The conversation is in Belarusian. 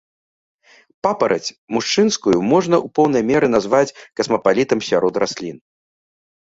Папараць мужчынскую можна ў поўнай меры назваць касмапалітам сярод раслін.